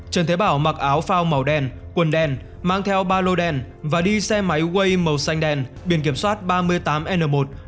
trần thế bảo mặc áo phao màu đen quần đen mang theo ba lô đen và đi xe máy quay màu xanh đen biển kiểm soát ba mươi tám n một một nghìn tám trăm bốn mươi